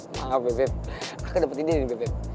maaf bebe aku dapat ide nih bebe